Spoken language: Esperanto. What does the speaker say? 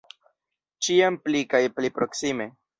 Ĉiam pli kaj pli proksime.